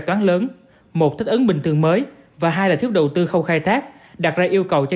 toán lớn một thích ứng bình thường mới và hai là thiếu đầu tư khâu khai thác đặt ra yêu cầu cho